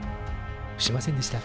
しませんでした。